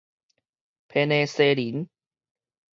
批呢西仁